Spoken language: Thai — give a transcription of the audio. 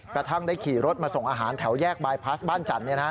กระทั่งได้ขี่รถมาส่งอาหารแถวแยกบายพลาสบ้านจันทร์